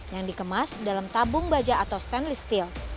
yang dikemas dalam tabung baja atau stainless steel